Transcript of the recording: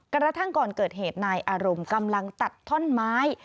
กระทั่งก่อนเกิดเหตุนายอารมณ์กำลังตัดท่อนไม้